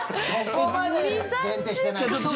そこまで限定してない。